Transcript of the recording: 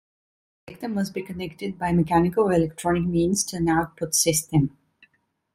The detector must be connected by mechanical or electronic means to an output system.